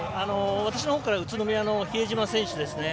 私のほうからは宇都宮の比江島選手ですね。